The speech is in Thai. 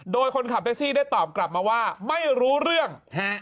โดยคนขับแท็กซี่ได้ตอบกลับมาว่าไม่รู้เรื่อง